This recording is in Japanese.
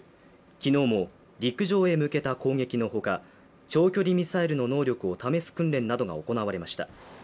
昨日も、陸上へ向けた攻撃の他長距離ミサイルの能力を試す訓練などが行われました。